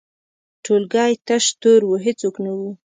ټولګی تش تور و، هیڅوک نه وو.